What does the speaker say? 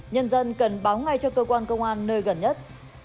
nhân dân cần báo ngay cho cơ quan công an nơi gần nhất